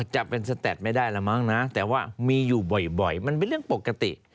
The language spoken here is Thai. จะเป็นสแตดไม่ได้แล้วมั้งนะแต่ว่ามีอยู่บ่อยมันเป็นเรื่องปกติ